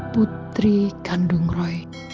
putri kandung roy